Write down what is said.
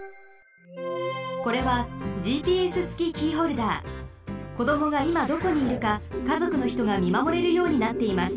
これはこどもがいまどこにいるかかぞくのひとがみまもれるようになっています。